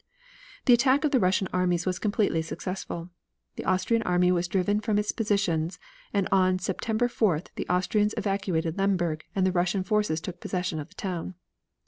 The attack of the Russian armies was completely successful. The Austrian army was driven from its positions, and on September 4th the Austrians evacuated Lemberg and the Russian forces took possession of the town.